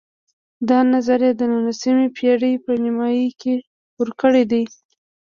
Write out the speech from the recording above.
دا نظر یې د نولسمې پېړۍ په نیمایي کې ورکړی دی.